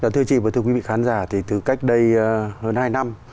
thưa chị và thưa quý vị khán giả thì từ cách đây hơn hai năm